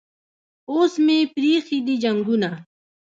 اوس مې پریښي دي جنګونه